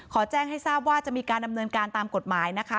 แจ้งให้ทราบว่าจะมีการดำเนินการตามกฎหมายนะคะ